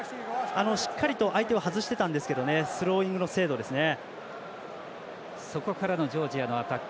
しっかりと相手は外してたんですがスローイングの精度ですね。